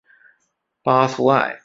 巴苏埃。